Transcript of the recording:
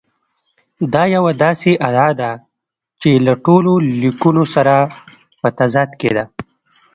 دا یوه داسې ادعا ده چې له ټولو لیکونو سره په تضاد کې ده.